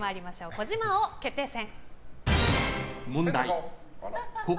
児嶋王決定戦。